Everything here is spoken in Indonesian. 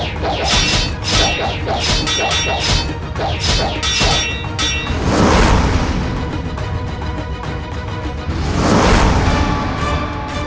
kita akan meleng protestersu